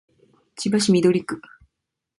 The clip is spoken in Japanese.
千葉市緑区